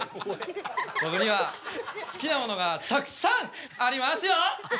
僕には好きなものがたくさんありますよ！